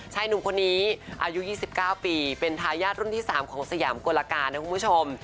หนุ่มคนนี้อายุ๒๙ปีเป็นทายาทรุ่นที่๓ของสยามกลการนะคุณผู้ชม